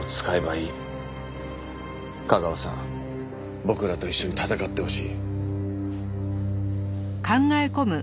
架川さん僕らと一緒に戦ってほしい。